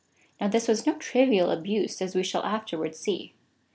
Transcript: Now this was no trivial abuse, as we shall afterwards see.